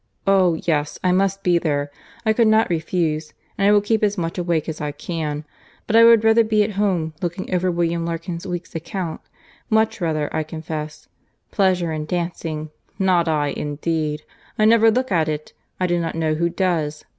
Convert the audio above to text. —Oh! yes, I must be there; I could not refuse; and I will keep as much awake as I can; but I would rather be at home, looking over William Larkins's week's account; much rather, I confess.—Pleasure in seeing dancing!—not I, indeed—I never look at it—I do not know who does.